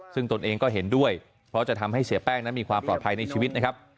ซึ่งตนเองก็เห็นด้วยเพราะจะทำให้เสียแป้งนั้นมีความปลอดภัยในชีวิตนะครับ